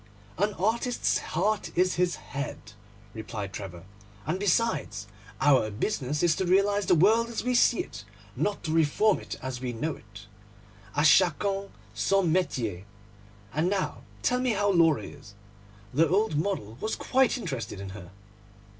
'An artist's heart is his head,' replied Trevor; 'and besides, our business is to realise the world as we see it, not to reform it as we know it. À chacun son métier. And now tell me how Laura is. The old model was quite interested in her.